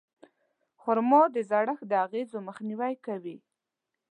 خرما د زړښت د اغېزو مخنیوی کوي.